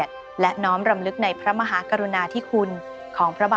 ขอบคุณครับ